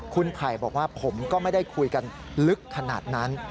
คุณไผ่บอกว่าผมก็ไม่ได้คุยกันลึกขนาดนั้น